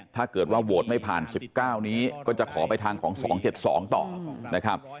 ถ้าเกิดว่าโหวตไม่ผ่าน๑๙นี้ก็จะขอไปทางของ๒๗๒ต่อนะครับ